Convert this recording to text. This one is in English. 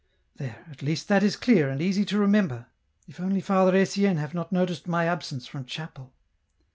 There, at least that is clear and easy to remember — If only Father Etienne have not noticed my absence from chapel